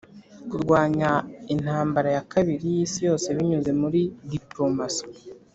kurwanya intambara ya kabiri y'isi yose binyuze muri diplomasi